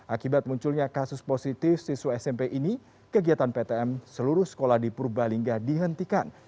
akibat munculnya kasus positif siswa smp ini kegiatan ptm seluruh sekolah di purbalingga dihentikan